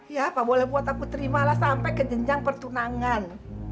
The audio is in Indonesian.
ya pak boleh buat aku terimalah sampai ke jenjang pertunangan